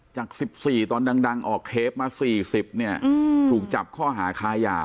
จาก๑๔ตอนดังออกเคฟมา๔๐ถูกจับข้อหาขายา